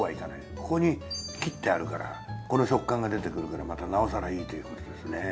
ここに切ってあるからこの食感が出てくるからまたなおさらいいということですね。